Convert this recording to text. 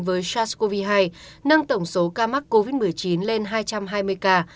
với sars cov hai nâng tổng số ca mắc covid một mươi chín lên hai trăm hai mươi ca